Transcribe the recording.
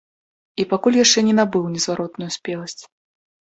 І пакуль яшчэ не набыў незваротную спеласць.